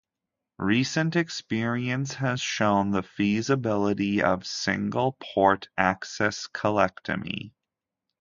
Recent experience has shown the feasibility of single port access colectomy.